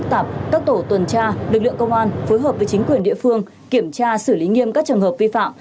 tạp các tổ tuần tra lực lượng công an phối hợp với chính quyền địa phương kiểm tra xử lý nghiêm các trường hợp vi phạm